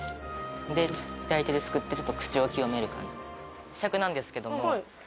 で左手ですくってちょっと口を清める感じ。